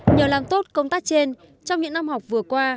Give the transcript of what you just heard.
nhờ làm tốt công tác trên trong những năm học vừa qua